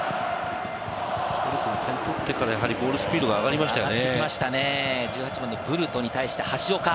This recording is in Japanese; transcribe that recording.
トルコも点を取ってから、ボールスピードが上がりましたよね。